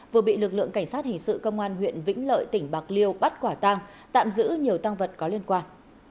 vừa bị lực lượng cảnh sát hình sự công an huyện vĩnh lợi tỉnh bạc liêu bắt quả tăng tạm giữ nhiều tăng vật có liên quan